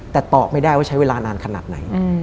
แต่ตอบไม่ได้ว่าใช้เวลานานขนาดไหน